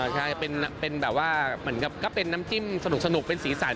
ใช่เป็นแบบว่าเหมือนกับก็เป็นน้ำจิ้มสนุกเป็นสีสัน